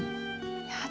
やだ